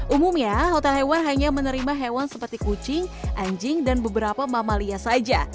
umumnya hotel hewan hanya menerima hewan seperti kucing anjing dan beberapa mamalia saja